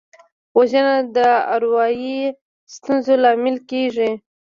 وژنه د اروايي ستونزو لامل کېږي